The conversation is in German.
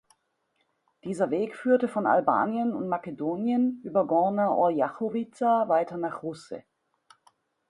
Dieser Weg führte von Albanien und Makedonien über Gorna Orjachowiza weiter nach Russe.